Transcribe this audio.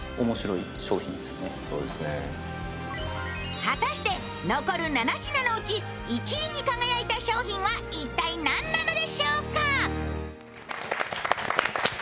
果たして残る７品のうち、１位に輝いた商品は一体何なのでしょうか。